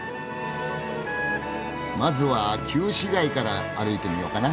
まずは旧市街から歩いてみようかな。